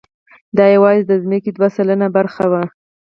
دا یواځې د ځمکې دوه سلنه برخه وه.